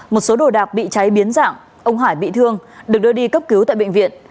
một số đồ đạc bị cháy biến dạng ông hải bị thương được đưa đi cấp cứu tại bệnh viện